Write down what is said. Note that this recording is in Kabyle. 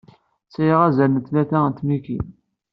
Sɛiɣ azal n tlata n tmikin.